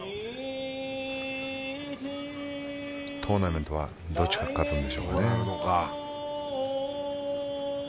トーナメントはどっちが勝つんでしょうかね。